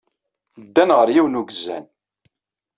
Ddan ɣer yiwen n ugezzan.